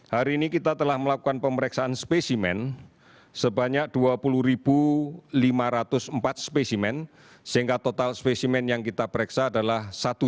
hari ini kita telah melakukan pemeriksaan spesimen sebanyak dua puluh lima ratus empat spesimen sehingga total spesimen yang kita periksa adalah satu dua ratus dua puluh satu lima ratus delapan belas